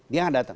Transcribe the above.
dia tidak datang